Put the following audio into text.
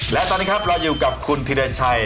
และตอนนี้ครับเราอยู่กับคุณธิรชัย